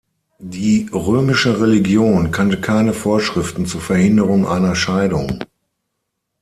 Die römische Religion kannte keine Vorschriften zur Verhinderung einer Scheidung.